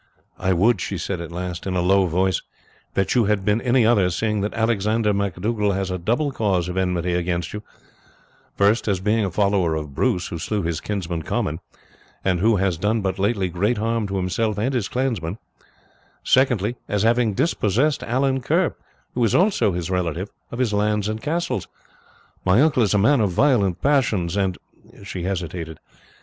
"I would," she said at last in a low voice, "that you had been any other, seeing that Alexander MacDougall has a double cause of enmity against you firstly, as being a follower of Bruce, who slew his kinsman Comyn, and who has done but lately great harm to himself and his clansmen; secondly, as having dispossessed Allan Kerr, who is also his relative, of his lands and castle. My uncle is a man of violent passions, and" she hesitated.